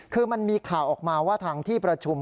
คือมันมีข่าวออกมาว่าทางที่ประชุม